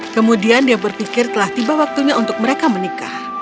kemudian dia berpikir telah tiba waktunya untuk mereka menikah